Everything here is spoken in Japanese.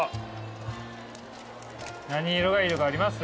何色がいいとかあります？